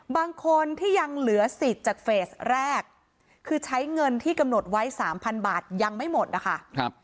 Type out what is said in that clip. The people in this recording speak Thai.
บางคนที่ยังเหลือสิทธิ์จากเฟสแรกคือใช้เงินที่กำหนดไว้๓๐๐บาทยังไม่หมดนะคะ